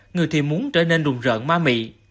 người thì muốn trở nên rùng rợn ma mị